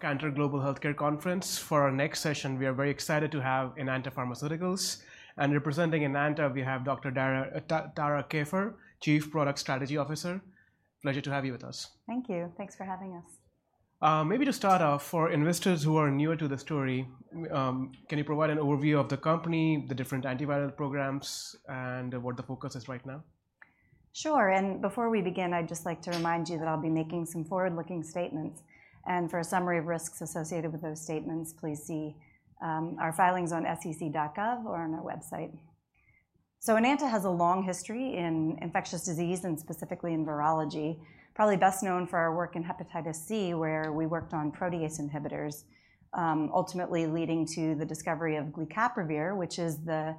Cantor Global Healthcare Conference. For our next session, we are very excited to have Enanta Pharmaceuticals, and representing Enanta, we have Dr. Tara Kieffer, Chief Product Strategy Officer. Pleasure to have you with us. Thank you. Thanks for having us. Maybe to start off, for investors who are newer to the story, can you provide an overview of the company, the different antiviral programs, and what the focus is right now? Sure. And before we begin, I'd just like to remind you that I'll be making some forward-looking statements, and for a summary of risks associated with those statements, please see our filings on sec.gov or on our website. So Enanta has a long history in infectious disease, and specifically in virology. Probably best known for our work in hepatitis C, where we worked on protease inhibitors ultimately leading to the discovery of glecaprevir, which is the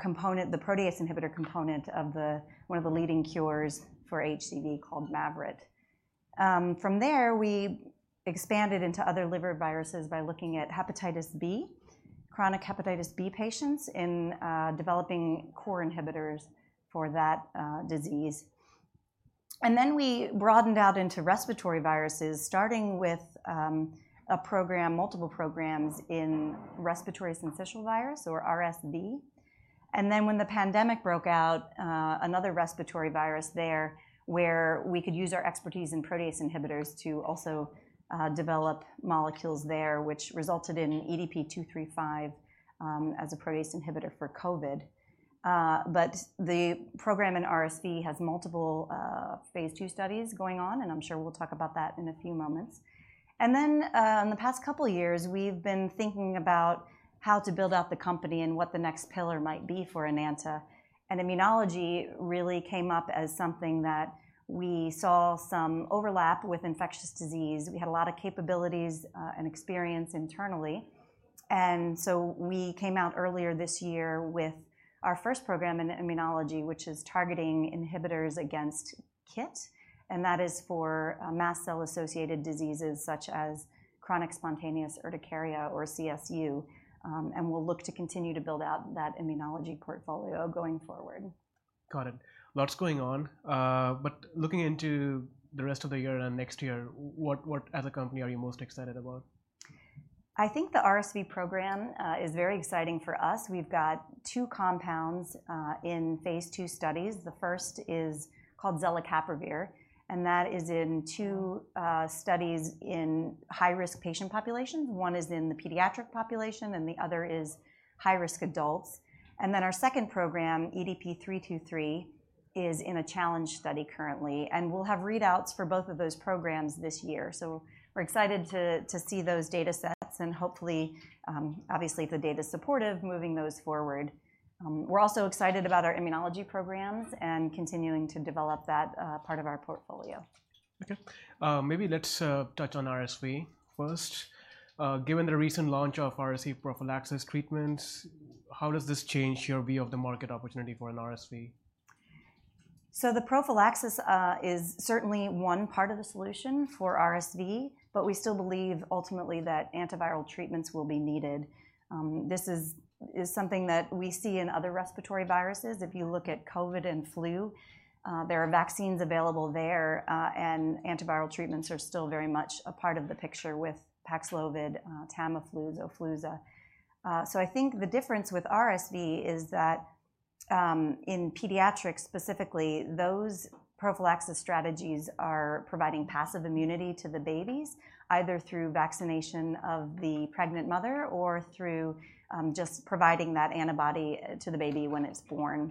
component, the protease inhibitor component of one of the leading cures for HCV called Mavyret. From there, we expanded into other liver viruses by looking at hepatitis B, chronic hepatitis B patients, and developing core inhibitors for that disease. And then we broadened out into respiratory viruses, starting with a program, multiple programs in respiratory syncytial virus, or RSV. And then when the pandemic broke out, another respiratory virus there, where we could use our expertise in protease inhibitors to also develop molecules there, which resulted in EDP-235, as a protease inhibitor for COVID. But the program in RSV has multiple phase II studies going on, and I'm sure we'll talk about that in a few moments. And then, in the past couple of years, we've been thinking about how to build out the company and what the next pillar might be for Enanta. And immunology really came up as something that we saw some overlap with infectious disease. We had a lot of capabilities and experience internally, and so we came out earlier this year with our first program in immunology, which is targeting inhibitors against KIT, and that is for mast cell-associated diseases such as chronic spontaneous urticaria or CSU. And we'll look to continue to build out that immunology portfolio going forward. Got it. Lots going on, but looking into the rest of the year and next year, what, what as a company are you most excited about? I think the RSV program is very exciting for us. We've got two compounds in phase II studies. The first is called zelicapavir, and that is in two studies in high-risk patient populations. One is in the pediatric population, and the other is high-risk adults, and then our second program, EDP-323, is in a challenge study currently, and we'll have readouts for both of those programs this year, so we're excited to see those data sets and hopefully, obviously, if the data's supportive, moving those forward. We're also excited about our immunology programs and continuing to develop that part of our portfolio. Okay. Maybe let's touch on RSV first. Given the recent launch of RSV prophylaxis treatments, how does this change your view of the market opportunity for an RSV? So the prophylaxis is certainly one part of the solution for RSV, but we still believe ultimately that antiviral treatments will be needed. This is something that we see in other respiratory viruses. If you look at COVID and flu, there are vaccines available there, and antiviral treatments are still very much a part of the picture with Paxlovid, Tamiflu, Xofluza. So I think the difference with RSV is that in pediatrics specifically, those prophylaxis strategies are providing passive immunity to the babies, either through vaccination of the pregnant mother or through just providing that antibody to the baby when it's born.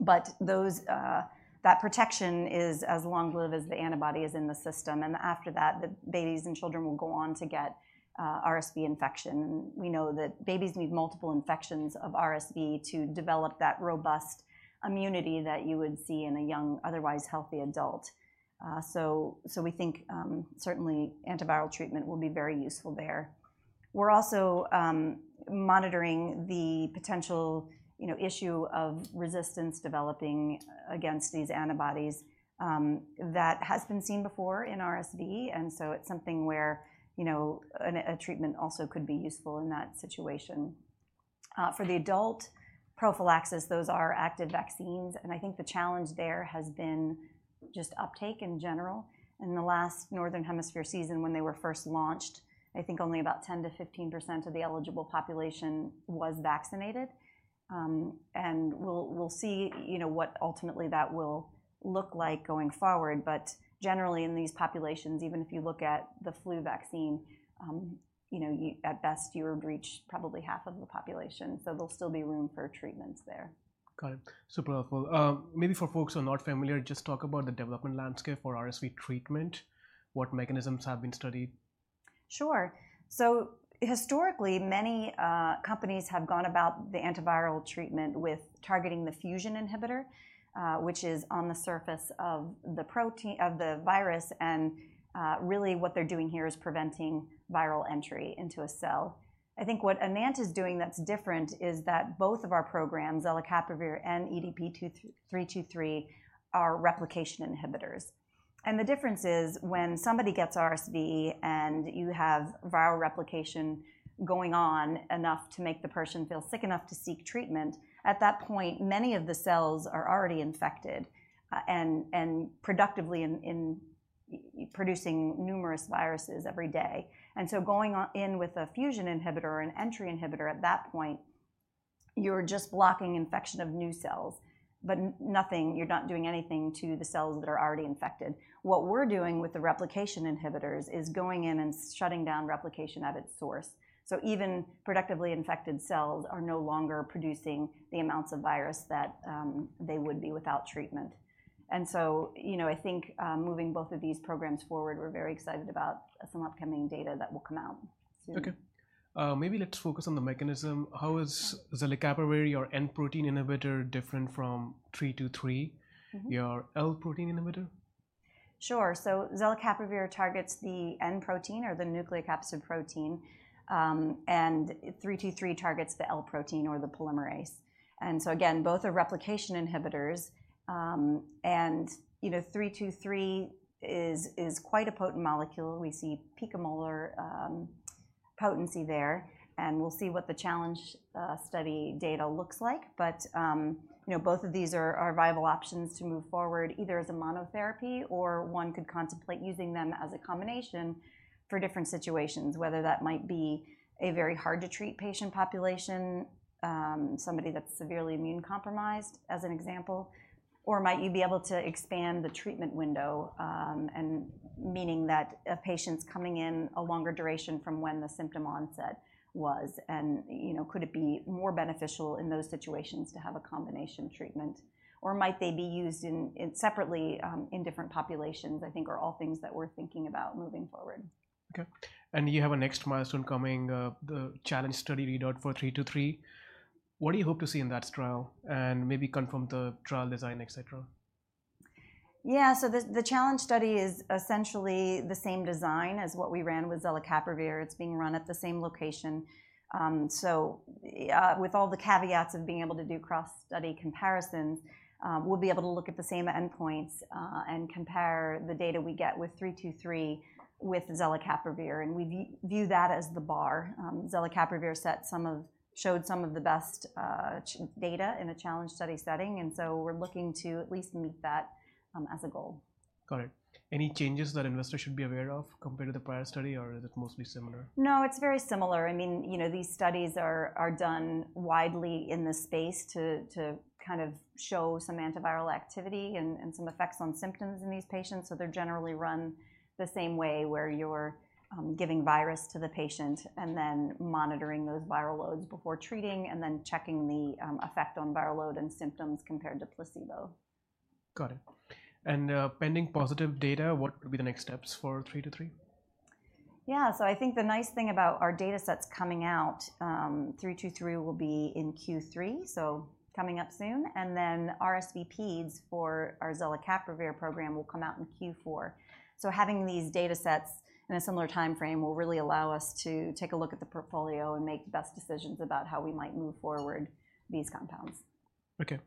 But that protection is as long-lived as the antibody is in the system, and after that, the babies and children will go on to get RSV infection. We know that babies need multiple infections of RSV to develop that robust immunity that you would see in a young, otherwise healthy adult. So we think certainly antiviral treatment will be very useful there. We're also monitoring the potential, you know, issue of resistance developing against these antibodies that has been seen before in RSV, and so it's something where, you know, a treatment also could be useful in that situation. For the adult prophylaxis, those are active vaccines, and I think the challenge there has been just uptake in general. In the last Northern Hemisphere season when they were first launched, I think only about 10-15% of the eligible population was vaccinated. And we'll see, you know, what ultimately that will look like going forward. But generally, in these populations, even if you look at the flu vaccine, you know, at best, you reach probably half of the population, so there'll still be room for treatments there. Got it. Super helpful. Maybe for folks who are not familiar, just talk about the development landscape for RSV treatment. What mechanisms have been studied? Sure. So historically, many companies have gone about the antiviral treatment with targeting the fusion inhibitor, which is on the surface of the proteins of the virus, and really what they're doing here is preventing viral entry into a cell. I think what Enanta's doing that's different is that both of our programs, zelicapavir and EDP-323, are replication inhibitors, and the difference is when somebody gets RSV and you have viral replication going on enough to make the person feel sick enough to seek treatment, at that point, many of the cells are already infected, and productively in producing numerous viruses every day, and so going in with a fusion inhibitor or an entry inhibitor at that point you're just blocking infection of new cells, but nothing, you're not doing anything to the cells that are already infected. What we're doing with the replication inhibitors is going in and shutting down replication at its source, so even productively infected cells are no longer producing the amounts of virus that they would be without treatment, and so, you know, I think, moving both of these programs forward, we're very excited about some upcoming data that will come out soon. Okay. Maybe let's focus on the mechanism. How is zelicapavir, your N protein inhibitor, different from 323- Mm-hmm. Your L protein inhibitor? Sure. So zelicapavir targets the N protein or the nucleocapsid protein, and EDP-323 targets the L protein or the polymerase, and so again, both are replication inhibitors. You know, EDP-323 is quite a potent molecule. We see picomolar potency there, and we'll see what the challenge study data looks like, but you know, both of these are viable options to move forward, either as a monotherapy or one could contemplate using them as a combination for different situations, whether that might be a very hard-to-treat patient population, somebody that's severely immunocompromised, as an example. Or might you be able to expand the treatment window, and meaning that a patient's coming in a longer duration from when the symptom onset was, and, you know, could it be more beneficial in those situations to have a combination treatment? Or might they be used separately in different populations, I think are all things that we're thinking about moving forward. Okay, and you have a next milestone coming, the challenge study readout for EDP-323. What do you hope to see in that trial, and maybe confirm the trial design, et cetera? Yeah. So the challenge study is essentially the same design as what we ran with zelicapavir. It's being run at the same location, so with all the caveats of being able to do cross-study comparisons, we'll be able to look at the same endpoints and compare the data we get with 323, with zelicapavir, and we view that as the bar. zelicapavir showed some of the best challenge data in a challenge study setting, and so we're looking to at least meet that as a goal. Got it. Any changes that investors should be aware of compared to the prior study, or is it mostly similar? No, it's very similar. I mean, you know, these studies are done widely in this space to kind of show some antiviral activity and some effects on symptoms in these patients. So they're generally run the same way, where you're giving virus to the patient and then monitoring those viral loads before treating, and then checking the effect on viral load and symptoms compared to placebo. Got it. And, pending positive data, what would be the next steps for EDP-323? Yeah, so I think the nice thing about our datasets coming out, EDP-323 will be in Q3, so coming up soon, and then RSV Peds for our zelicapavir program will come out in Q4. So having these datasets in a similar timeframe will really allow us to take a look at the portfolio and make the best decisions about how we might move forward these compounds. Okay,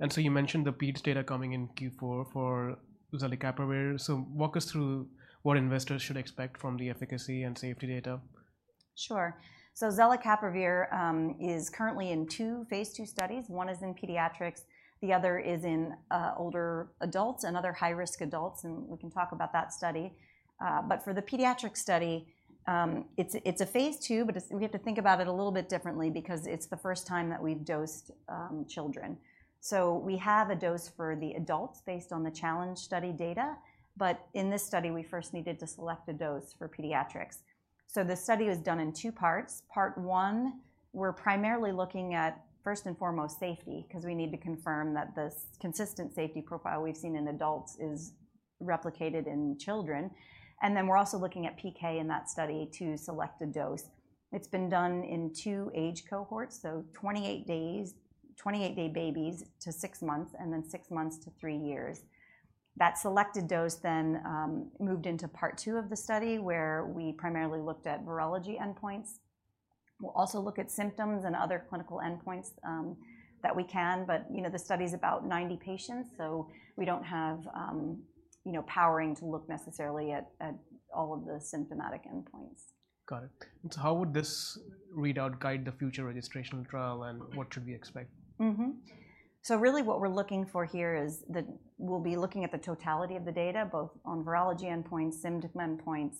and so you mentioned the Peds data coming in Q4 for zelicapavir, so walk us through what investors should expect from the efficacy and safety data. Sure. So zelicapavir is currently in two phase II studies. One is in pediatrics, the other is in older adults and other high-risk adults, and we can talk about that study. But for the pediatric study, it's a phase II, but we have to think about it a little bit differently because it's the first time that we've dosed children. So we have a dose for the adults based on the challenge study data, but in this study, we first needed to select a dose for pediatrics. So the study was done in two parts. Part one, we're primarily looking at, first and foremost, safety, 'cause we need to confirm that the consistent safety profile we've seen in adults is replicated in children. And then we're also looking at PK in that study to select a dose. It's been done in two age cohorts, so 28 days, 28-day babies to six months, and then six months to three years. That selected dose then moved into part two of the study, where we primarily looked at virology endpoints. We'll also look at symptoms and other clinical endpoints that we can, but, you know, the study's about 90 patients, so we don't have, you know, powering to look necessarily at all of the symptomatic endpoints. Got it. And so how would this readout guide the future registrational trial, and what should we expect? Mm-hmm. So really, what we're looking for here is that we'll be looking at the totality of the data, both on virology endpoints, symptom endpoints,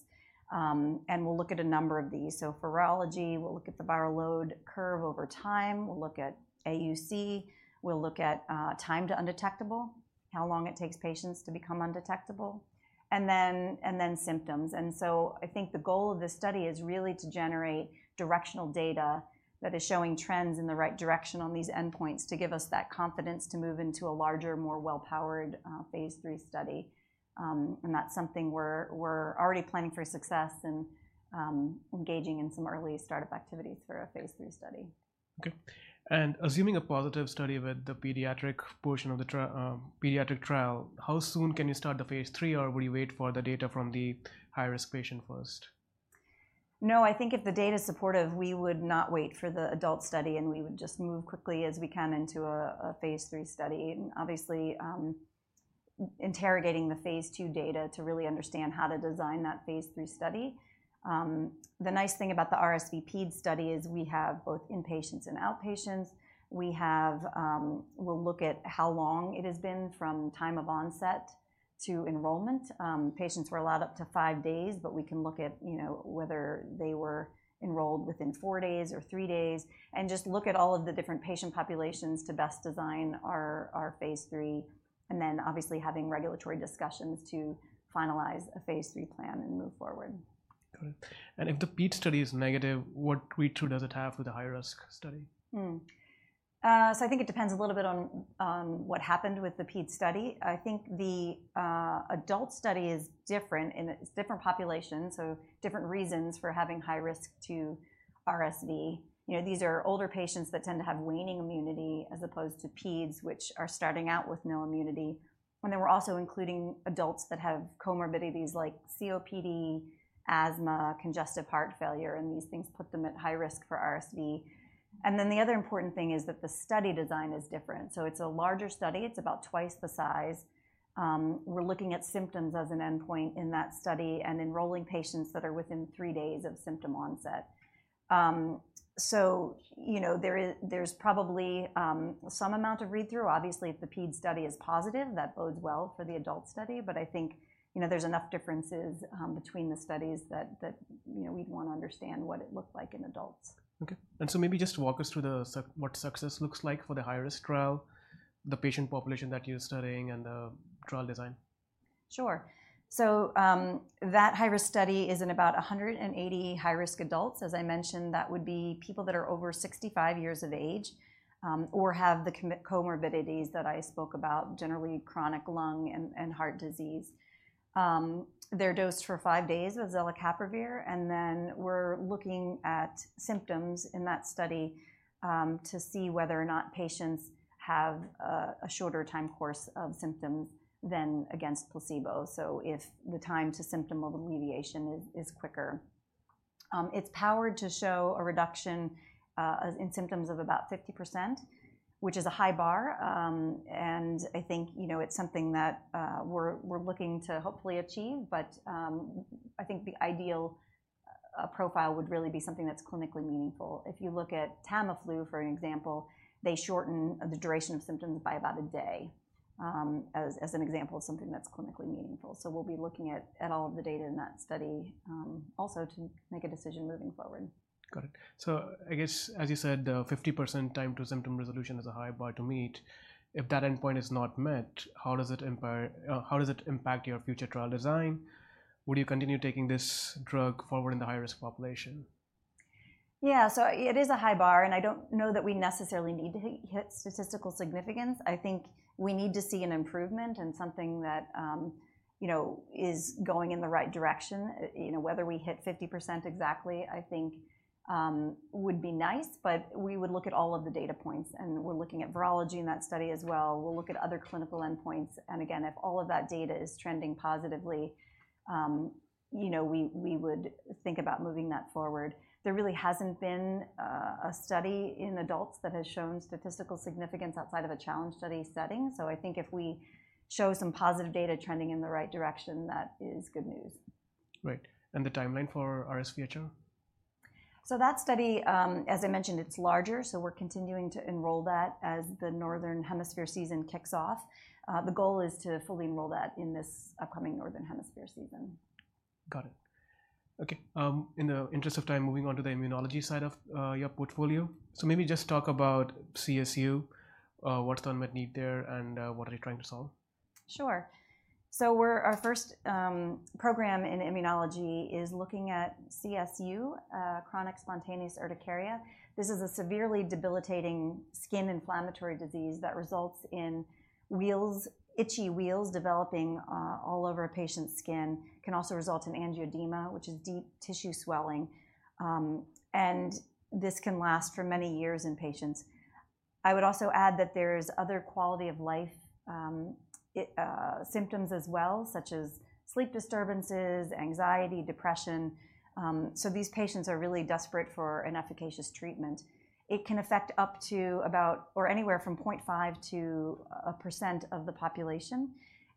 and we'll look at a number of these. So for virology, we'll look at the viral load curve over time. We'll look at AUC, we'll look at time to undetectable, how long it takes patients to become undetectable, and then symptoms. And so I think the goal of this study is really to generate directional data that is showing trends in the right direction on these endpoints, to give us that confidence to move into a larger, more well-powered phase III study. And that's something we're already planning for success and engaging in some early start-up activities for a phase III study. Okay. And assuming a positive study with the pediatric portion of the pediatric trial, how soon can you start the phase III, or will you wait for the data from the high-risk patient first? No, I think if the data's supportive, we would not wait for the adult study, and we would just move quickly as we can into a phase III study, and obviously interrogating the phase II data to really understand how to design that phase III study. The nice thing about the RSV Peds study is we have both inpatients and outpatients. We have, we'll look at how long it has been from time of onset to enrollment. Patients were allowed up to five days, but we can look at, you know, whether they were enrolled within four days or three days, and just look at all of the different patient populations to best design our phase III, and then obviously having regulatory discussions to finalize a phase III plan and move forward. Got it. And if the Peds study is negative, what read-through does it have for the high-risk study? So I think it depends a little bit on what happened with the Peds study. I think the adult study is different in that it's a different population, so different reasons for having high risk to RSV. You know, these are older patients that tend to have waning immunity, as opposed to peds, which are starting out with no immunity. And then we're also including adults that have comorbidities like COPD, asthma, congestive heart failure, and these things put them at high risk for RSV. And then the other important thing is that the study design is different. So it's a larger study. It's about twice the size. We're looking at symptoms as an endpoint in that study and enrolling patients that are within three days of symptom onset. So, you know, there's probably some amount of read-through. Obviously, if the Peds study is positive, that bodes well for the adult study. But I think, you know, there's enough differences, between the studies that, you know, we'd want to understand what it looked like in adults. Okay. And so maybe just walk us through what success looks like for the high-risk trial, the patient population that you're studying, and the trial design? Sure. So, that high-risk study is in about 100 high-risk adults. As I mentioned, that would be people that are over 65 years of age, or have the comorbidities that I spoke about, generally chronic lung and heart disease. They're dosed for 5 days with EDP-235, and then we're looking at symptoms in that study, to see whether or not patients have a shorter time course of symptoms than against placebo, so if the time to symptom amelioration is quicker. It's powered to show a reduction in symptoms of about 50%, which is a high bar, and I think, you know, it's something that we're looking to hopefully achieve. But I think the ideal profile would really be something that's clinically meaningful. If you look at Tamiflu, for example, they shorten the duration of symptoms by about a day, as an example of something that's clinically meaningful. So we'll be looking at all of the data in that study, also to make a decision moving forward. Got it. So I guess, as you said, the 50% time to symptom resolution is a high bar to meet. If that endpoint is not met, how does it impact your future trial design? Would you continue taking this drug forward in the high-risk population? Yeah, so it is a high bar, and I don't know that we necessarily need to hit statistical significance. I think we need to see an improvement and something that, you know, is going in the right direction. You know, whether we hit 50% exactly, I think, would be nice, but we would look at all of the data points, and we're looking at virology in that study as well. We'll look at other clinical endpoints, and again, if all of that data is trending positively, you know, we would think about moving that forward. There really hasn't been a study in adults that has shown statistical significance outside of a challenge study setting, so I think if we show some positive data trending in the right direction, that is good news. Right, and the timeline for RSV-HR? So that study, as I mentioned, it's larger, so we're continuing to enroll that as the Northern Hemisphere season kicks off. The goal is to fully enroll that in this upcoming Northern Hemisphere season. Got it. Okay, in the interest of time, moving on to the immunology side of your portfolio, so maybe just talk about CSU, what's the unmet need there, and what are you trying to solve? Sure. So we're our first program in immunology is looking at CSU, chronic spontaneous urticaria. This is a severely debilitating skin inflammatory disease that results in wheals, itchy wheals, developing all over a patient's skin. It can also result in angioedema, which is deep tissue swelling, and this can last for many years in patients. I would also add that there's other quality of life symptoms as well, such as sleep disturbances, anxiety, depression, so these patients are really desperate for an efficacious treatment. It can affect up to about or anywhere from 0.5%-1% of the population,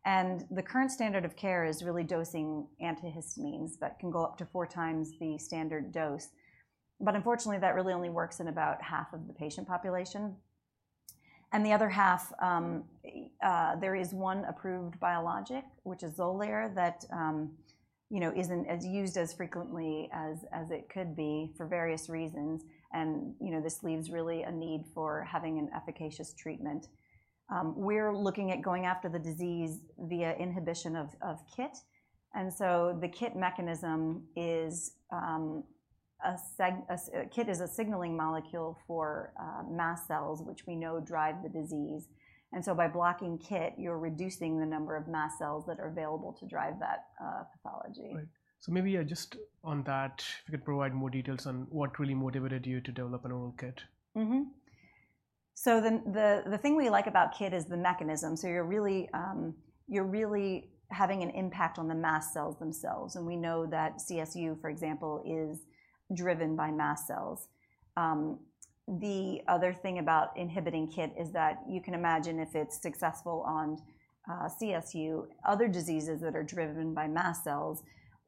and the current standard of care is really dosing antihistamines that can go up to four times the standard dose. But unfortunately, that really only works in about half of the patient population, and the other half, there is one approved biologic, which is Xolair, that, you know, isn't as used as frequently as it could be for various reasons, and, you know, this leaves really a need for having an efficacious treatment. We're looking at going after the disease via inhibition of KIT. And so the KIT mechanism is, a KIT is a signaling molecule for mast cells, which we know drive the disease. And so by blocking KIT, you're reducing the number of mast cells that are available to drive that pathology. Right. So maybe, just on that, if you could provide more details on what really motivated you to develop an oral KIT? Mm-hmm. So the thing we like about KIT is the mechanism. So you're really having an impact on the mast cells themselves, and we know that CSU, for example, is driven by mast cells. The other thing about inhibiting KIT is that you can imagine if it's successful on CSU, other diseases that are driven by mast cells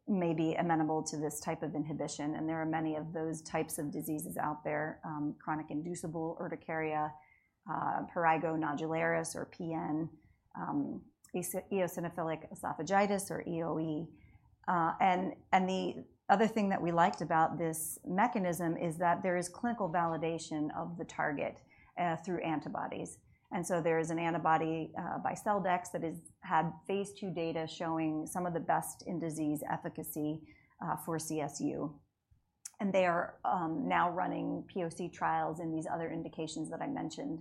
may be amenable to this type of inhibition, and there are many of those types of diseases out there, chronic inducible urticaria, prurigo nodularis or PN, eosinophilic esophagitis or EoE. And the other thing that we liked about this mechanism is that there is clinical validation of the target through antibodies. And so there is an antibody by Celldex that had phase II data showing some of the best in-disease efficacy for CSU. And they are now running POC trials in these other indications that I mentioned,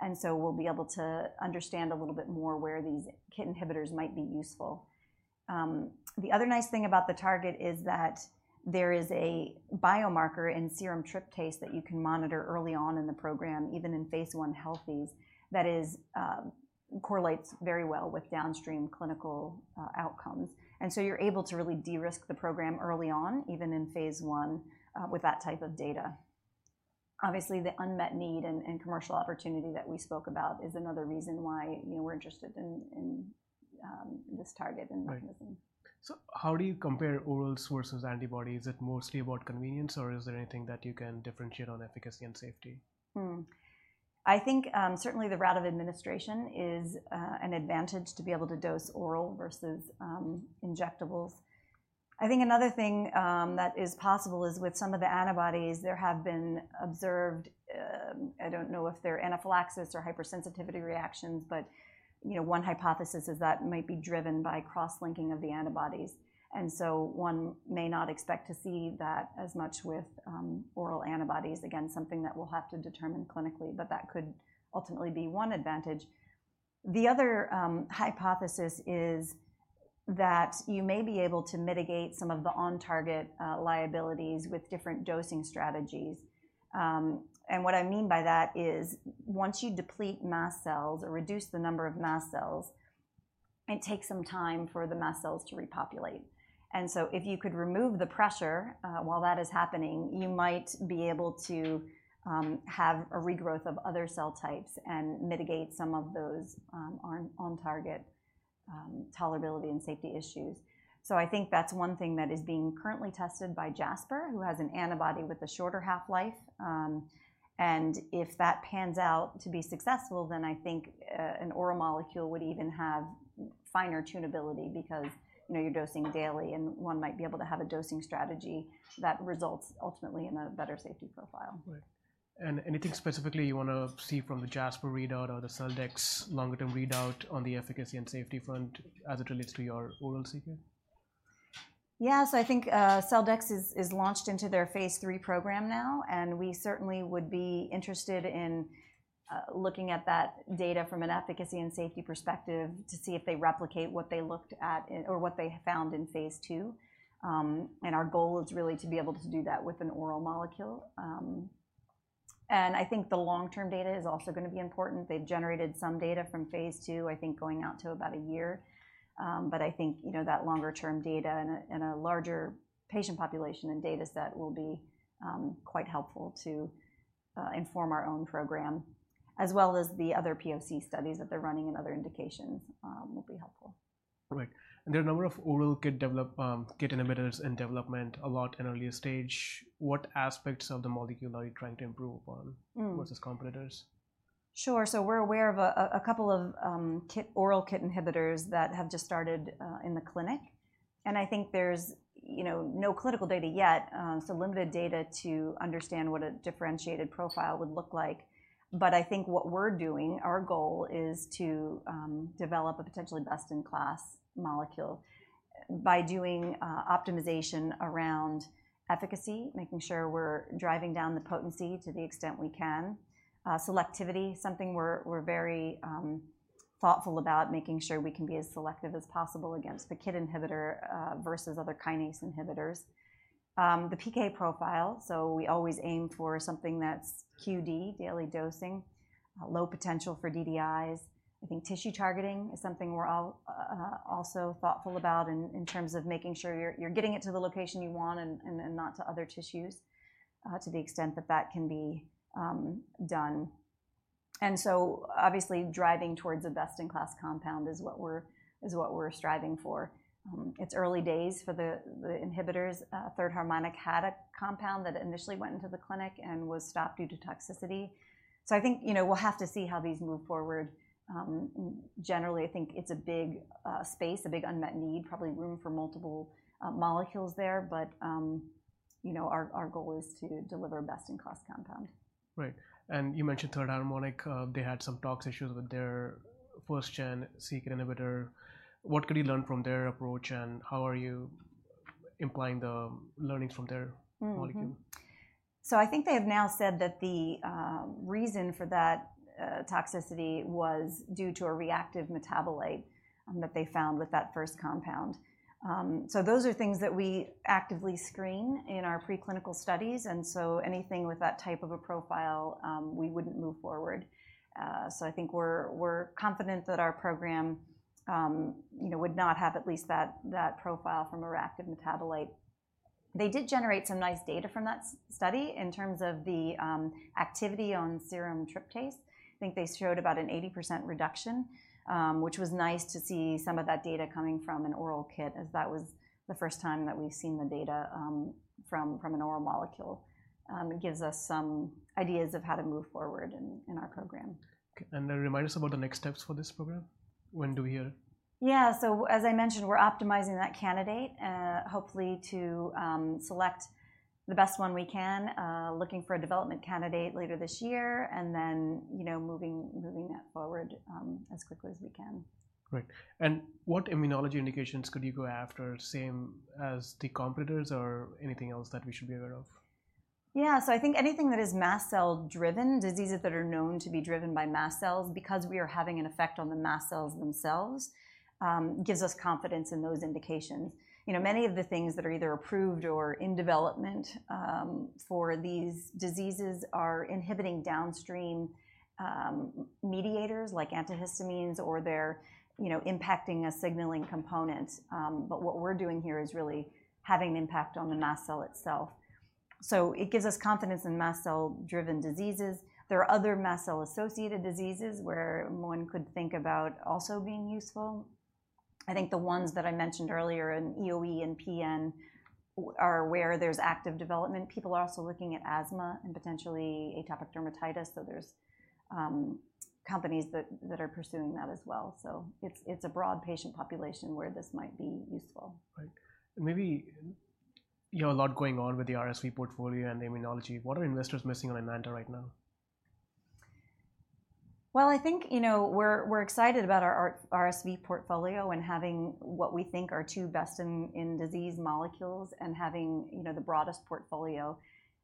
and so we'll be able to understand a little bit more where these KIT inhibitors might be useful. The other nice thing about the target is that there is a biomarker in serum tryptase that you can monitor early on in the program, even in phase I healthies, that is, correlates very well with downstream clinical outcomes. And so you're able to really de-risk the program early on, even in phase I, with that type of data. Obviously, the unmet need and commercial opportunity that we spoke about is another reason why, you know, we're interested in this target and mechanism. Right. So how do you compare orals versus antibodies? Is it mostly about convenience, or is there anything that you can differentiate on efficacy and safety? Hmm. I think certainly the route of administration is an advantage to be able to dose oral versus injectables. I think another thing that is possible is with some of the antibodies, there have been observed. I don't know if they're anaphylaxis or hypersensitivity reactions, but, you know, one hypothesis is that might be driven by cross-linking of the antibodies. And so one may not expect to see that as much with oral antibodies. Again, something that we'll have to determine clinically, but that could ultimately be one advantage. The other hypothesis is that you may be able to mitigate some of the on-target liabilities with different dosing strategies. And what I mean by that is, once you deplete mast cells or reduce the number of mast cells, it takes some time for the mast cells to repopulate. And so if you could remove the pressure while that is happening, you might be able to have a regrowth of other cell types and mitigate some of those on-target tolerability and safety issues. So I think that's one thing that is being currently tested by Jasper, who has an antibody with a shorter half-life. And if that pans out to be successful, then I think an oral molecule would even have finer tunability because, you know, you're dosing daily, and one might be able to have a dosing strategy that results ultimately in a better safety profile. Right. And anything specifically you want to see from the Jasper readout or the Celldex longer-term readout on the efficacy and safety front as it relates to your oral KIT? Yeah. So I think Celldex is launched into their phase III program now, and we certainly would be interested in looking at that data from an efficacy and safety perspective to see if they replicate what they looked at or what they found in phase II. And our goal is really to be able to do that with an oral molecule. And I think the long-term data is also gonna be important. They've generated some data from phase II, I think, going out to about a year. But I think, you know, that longer-term data and a larger patient population and dataset will be quite helpful to inform our own program, as well as the other POC studies that they're running in other indications, will be helpful. Right, and there are a number of oral KIT inhibitors in development, a lot in earlier stage. What aspects of the molecule are you trying to improve upon? Mm. -versus competitors? Sure. So we're aware of a couple of KIT oral KIT inhibitors that have just started in the clinic. And I think there's, you know, no clinical data yet, so limited data to understand what a differentiated profile would look like. But I think what we're doing, our goal is to develop a potentially best-in-class molecule by doing optimization around efficacy, making sure we're driving down the potency to the extent we can. Selectivity, something we're very thoughtful about, making sure we can be as selective as possible against the KIT inhibitor versus other kinase inhibitors. The PK profile, so we always aim for something that's QD, daily dosing, low potential for DDIs. I think tissue targeting is something we're also thoughtful about in terms of making sure you're getting it to the location you want and not to other tissues, to the extent that that can be done. And so obviously, driving towards a best-in-class compound is what we're striving for. It's early days for the inhibitors. Third Harmonic had a compound that initially went into the clinic and was stopped due to toxicity. So I think, you know, we'll have to see how these move forward. Generally, I think it's a big space, a big unmet need, probably room for multiple molecules there. But, you know, our goal is to deliver a best-in-class compound. Right. And you mentioned Third Harmonic. They had some tox issues with their first gen c-KIT inhibitor. What could you learn from their approach, and how are you implying the learnings from their molecule?... So I think they have now said that the reason for that toxicity was due to a reactive metabolite that they found with that first compound. So those are things that we actively screen in our preclinical studies, and so anything with that type of a profile we wouldn't move forward. So I think we're confident that our program you know would not have at least that profile from a reactive metabolite. They did generate some nice data from that study in terms of the activity on serum tryptase. I think they showed about an 80% reduction, which was nice to see some of that data coming from an oral KIT, as that was the first time that we've seen the data from an oral molecule. It gives us some ideas of how to move forward in our program. Okay, and remind us about the next steps for this program. When do we hear? Yeah. So as I mentioned, we're optimizing that candidate, hopefully to select the best one we can. Looking for a development candidate later this year, and then, you know, moving that forward, as quickly as we can. Great. And what immunology indications could you go after, same as the competitors, or anything else that we should be aware of? Yeah. So I think anything that is mast cell-driven, diseases that are known to be driven by mast cells, because we are having an effect on the mast cells themselves, gives us confidence in those indications. You know, many of the things that are either approved or in development, for these diseases are inhibiting downstream, mediators like antihistamines, or they're, you know, impacting a signaling component. But what we're doing here is really having an impact on the mast cell itself. So it gives us confidence in mast cell-driven diseases. There are other mast cell-associated diseases where one could think about also being useful. I think the ones that I mentioned earlier in EoE and PN are where there's active development. People are also looking at asthma and potentially atopic dermatitis, so there's companies that are pursuing that as well. So it's a broad patient population where this might be useful. Right. Maybe, you know, a lot going on with the RSV portfolio and the immunology. What are investors missing on Enanta right now? Well, I think, you know, we're excited about our RSV portfolio and having what we think are two best in disease molecules and having, you know, the broadest portfolio.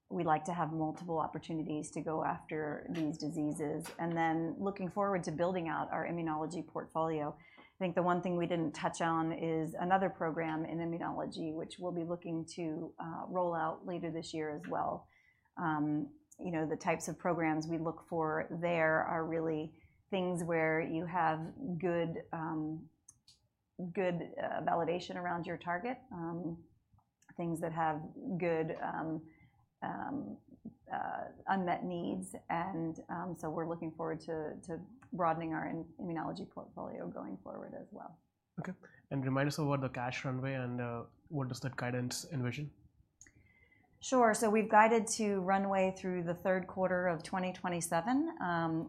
We'd like to have multiple opportunities to go after these diseases, and then looking forward to building out our immunology portfolio. I think the one thing we didn't touch on is another program in immunology, which we'll be looking to roll out later this year as well. You know, the types of programs we look for there are really things where you have good validation around your target, things that have good unmet needs, and so we're looking forward to broadening our immunology portfolio going forward as well. Okay. And remind us about the cash runway and what does that guidance envision? Sure. So we've guided to runway through the third quarter of 2027,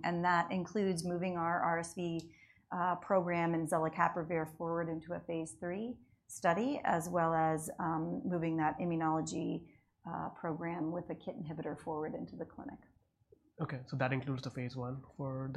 and that includes moving our RSV program and zelicapavir forward into a phase III study, as well as moving that immunology program with the KIT inhibitor forward into the clinic. Okay, so that includes the phase I for-